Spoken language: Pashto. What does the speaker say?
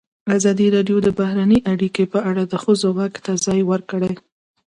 ازادي راډیو د بهرنۍ اړیکې په اړه د ښځو غږ ته ځای ورکړی.